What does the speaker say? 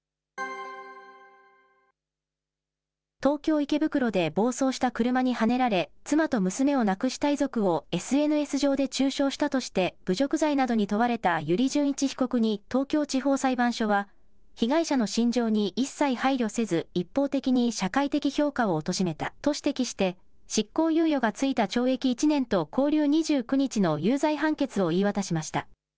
東京・池袋で暴走した車にはねられ、妻と娘を亡くした遺族をＳＮＳ上で中傷したとして、侮辱罪などに問われた油利潤一被告に、東京地方裁判所は、被害者の心情に一切配慮せず、一方的に社会的評価をおとしめたと指摘して、執行猶予がついた懲役１年と拘留２９日の有罪判決を言い渡しました。